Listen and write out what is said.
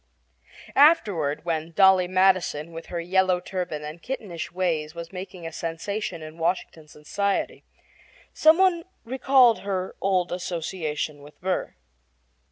Afterward when Dolly Madison with, her yellow turban and kittenish ways was making a sensation in Washington society some one recalled her old association with Burr.